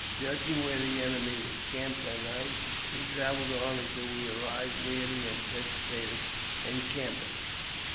Judging where the enemy would encamp that night, we travelled on until we arrived near the antici pated encampment.